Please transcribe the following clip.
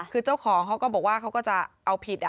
คือเจ้าของเขาก็บอกว่าเขาก็จะเอาผิด